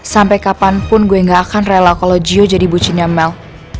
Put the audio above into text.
sampai kapanpun gue gak akan rela kalo gio jadi bucinya mel